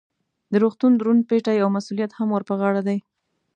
د روغتون دروند پیټی او مسؤلیت هم ور په غاړه دی.